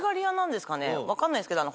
分かんないですけど。